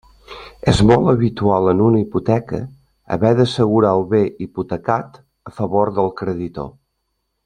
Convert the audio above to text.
És molt habitual en una hipoteca haver d'assegurar el bé hipotecat a favor del creditor.